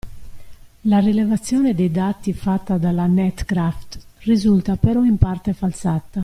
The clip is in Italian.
La rilevazione dei dati fatta dalla Netcraft risulta però in parte falsata.